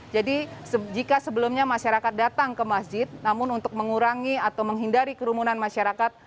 jadi jika sebelumnya masyarakat datang ke masjid namun untuk mengurangi atau menghindari kerumunan masyarakat